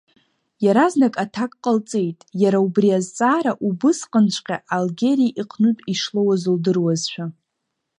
Иаразнак аҭак ҟалҵеит, иара убри азҵаара убысҟанҵәҟьа Алгьери иҟнытә ишлоуаз лдыруазшәа.